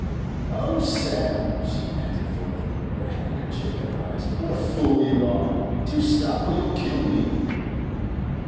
'Oh, Sam,' she panted forth, her handkerchief at her eyes, 'what a fool you are! Do stop, or you'll kill me!